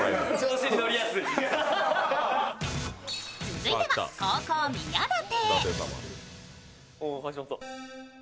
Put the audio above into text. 続いては後攻・宮舘。